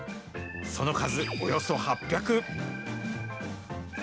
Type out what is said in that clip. その数およそ８００。